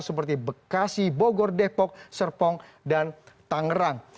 seperti bekasi bogor depok serpong dan tangerang